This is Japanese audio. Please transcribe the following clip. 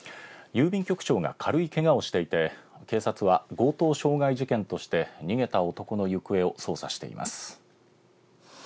郵便局長が軽いけがをしていて警察は、強盗傷害事件として逃げた男の行方を捜査しています。